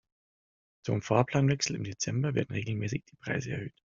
Zum Fahrplanwechsel im Dezember werden regelmäßig die Preise erhöht.